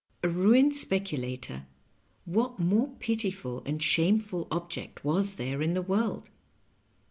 A ruined speculator — ^what more piti ful and shameful object was there in the world